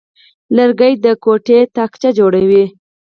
لرګی د کوټې تاقچه جوړوي.